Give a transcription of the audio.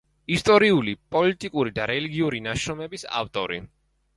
ისტორიული, პოლიტიკური და რელიგიური ნაშრომების ავტორი.